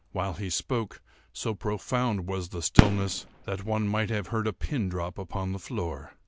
While he spoke, so profound was the stillness that one might have heard a pin drop upon the floor.